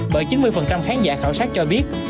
bởi chín mươi khán giả khảo sát cho biết